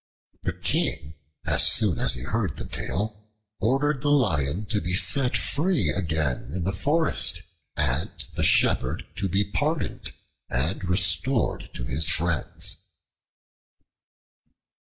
The King, as soon as he heard the tale, ordered the Lion to be set free again in the forest, and the Shepherd to be pardoned and restored to his friends.